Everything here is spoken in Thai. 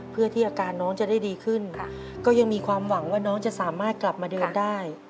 เพื่อที่อาการน้องจะได้ดีขึ้นก็ยังมีความหวังว่าน้องจะสามารถกลับมาเดินได้